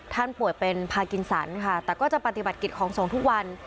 ป่วยเป็นพากินสันค่ะแต่ก็จะปฏิบัติกิจของสงฆ์ทุกวัน